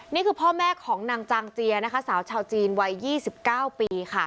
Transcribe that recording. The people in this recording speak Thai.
นี่คือพ่อแม่ของนางจางเจียสาวชาวจีนใด๒๙ปี